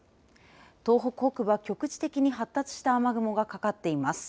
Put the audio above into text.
東北北部は局地的に発達した雨雲がかかっています。